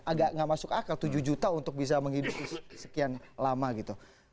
agak nggak masuk akal tujuh juta untuk bisa menghidupi sekian lama gitu